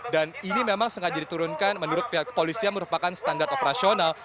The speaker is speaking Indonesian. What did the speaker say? dan ini memang sengaja diturunkan menurut pihak kepolisian merupakan standar operasional